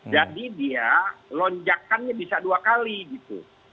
jadi dia lonjakannya bisa dua kali gitu